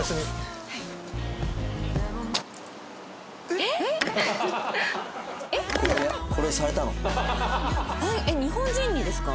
「えっ日本人にですか？」